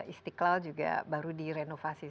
istiqlal juga baru direnovasi